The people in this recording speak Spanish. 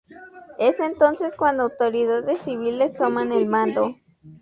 Es entonces cuando autoridades civiles toman el mando.